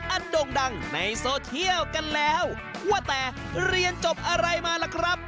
โด่งดังในโซเชียลกันแล้วว่าแต่เรียนจบอะไรมาล่ะครับ